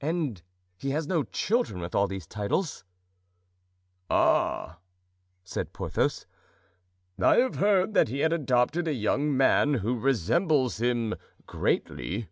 "And he has no children with all these titles?" "Ah!" said Porthos, "I have heard that he had adopted a young man who resembles him greatly."